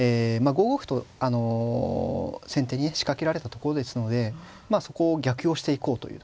５五歩と先手にね仕掛けられたところですのでまあそこを逆用していこうというとこですね。